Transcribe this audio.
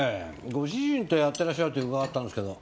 ご主人とやってらっしゃるって伺ったんですけど。